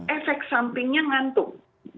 efek sampingnya ngantuk